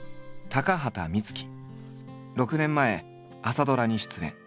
６年前朝ドラに出演。